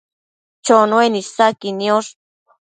Chonuen isaqui niosh